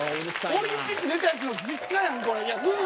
オリンピック出たやつの実家やん。